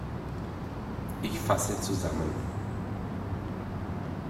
Ich fasse zusammen.